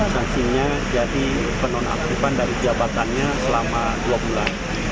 sanksinya jadi penonaktifan dari jabatannya selama dua bulan